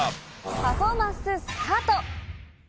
パフォーマンススタート。